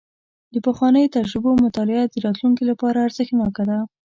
د پخوانیو تجربو مطالعه د راتلونکي لپاره ارزښتناکه ده.